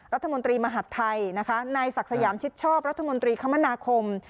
รัฐมนตรีมหาดไทยนะคะนายศักดิ์สยามชิดชอบรัฐมนตรีคมนาคม